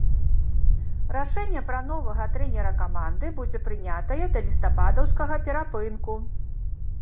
Рашэнне пра новага трэнера каманды будзе прынятае да лістападаўскага перапынку.